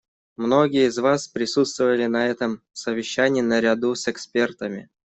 Многие из вас присутствовали на этом совещании наряду с экспертами.